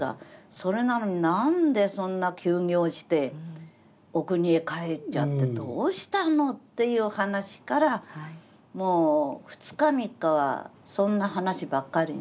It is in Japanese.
それなのに何でそんな休業しておくにへ帰っちゃってどうしたのっていう話からもう２日３日はそんな話ばっかりね。